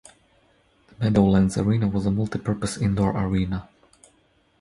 The Meadowlands Arena was a multi-purpose indoor arena.